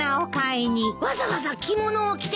わざわざ着物を着て？